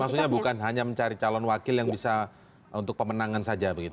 jadi maksudnya bukan hanya mencari calon wakil yang bisa untuk pemenangan saja begitu